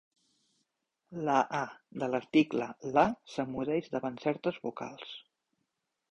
La "a" de l'article "la" s'emmudeix davant certes vocals.